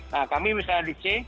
nah kami misalnya di c